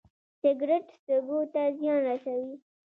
سګرټ سږو ته زیان رسوي